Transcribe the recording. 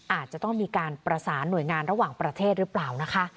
อาจจะต้องมีการประสานหน่วยงานระหว่างประเทศหรือเปล่านะคะ